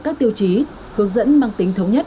các tiêu chí hướng dẫn mang tính thống nhất